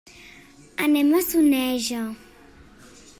Anem a Soneja.